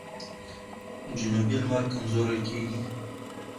جنوبي لمر کمزوری کیږي.